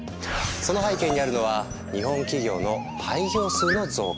その背景にあるのは日本企業の廃業数の増加。